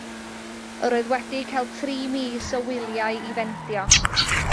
Yr oedd wedi cael tri mis o wyliau i fendio.